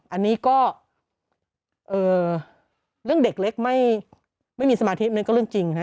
อันนี้ก็เรื่องเด็กเล็กไม่มีสมาธินั้นก็เรื่องจริงนะ